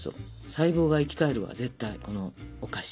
細胞が生き返るわ絶対このお菓子。